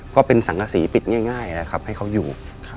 เพราะเป็นสังฆสีปิดง่ายครับให้เขาอยู่